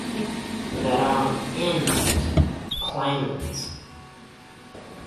There are "n" "claimants".